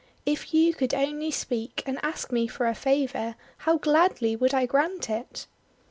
If you could only speak, and ask me for a favour, how gladly would I grant it!'